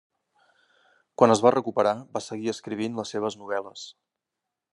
Quan es va recuperar, va seguir escrivint les seves novel·les.